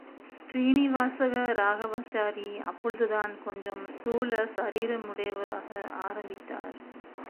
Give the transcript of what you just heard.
ஸ்ரீனிவாசகராகவாச்சாரி அப்பொழுதுதான் கொஞ்சம் ஸ்தூல சரீரமுடையவராக ஆரம்பித்தார்.